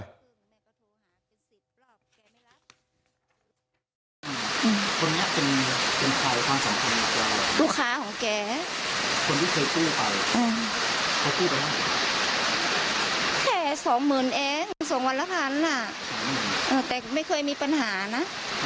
เำยสองหมื่นเอ๊ยสองวันละพันธุ์แต่ไม่เคยมีปัญหานะ